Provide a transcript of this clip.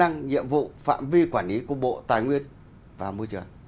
chức năng nhiệm vụ phạm vi quản lý của bộ tài nguyên và môi trường